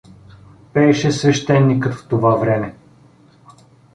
Пееше свещеникът в това време.